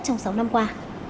trong sáu năm qua